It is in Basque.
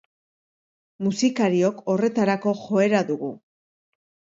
Musikariok horretarako joera dugu.